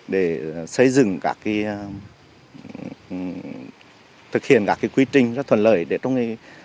để xây dựng